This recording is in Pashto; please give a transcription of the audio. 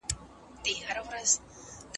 زه بايد لوښي وچوم